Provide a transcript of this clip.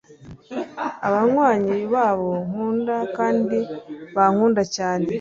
Abanywanyi babo nkunda kandi bankunda cyane